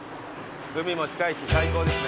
海も近いし最高ですね。